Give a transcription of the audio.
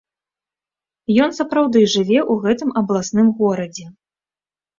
Ён сапраўды жыве ў гэтым абласным горадзе.